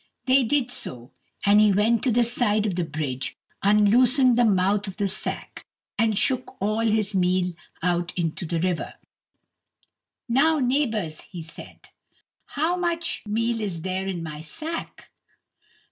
They did so, and he went to the side of the bridge, unloosened the mouth of the sack, and shook all his meal out into the river. "Now, neighbours," he said, "how much meal is there in my sack?"